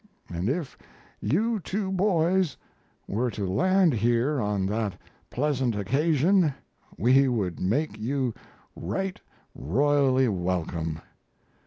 And if you two boys were to land here on that pleasant occasion we would make you right royally welcome.